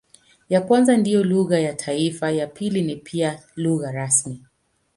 Ya kwanza ndiyo lugha ya taifa, ya pili ni pia lugha rasmi.